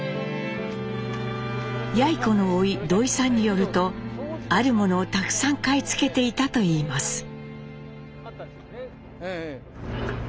やい子のおい土井さんによるとあるものをたくさん買い付けていたといいます。